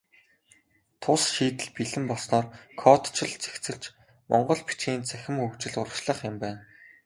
Тус шийдэл бэлэн болсноор кодчилол цэгцэрч, монгол бичгийн цахим хөгжил урагшлах юм байна.